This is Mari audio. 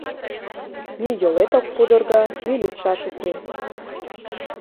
Ни йолет ок пудырго, ни лӱдшаш уке.